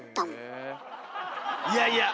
いやいや！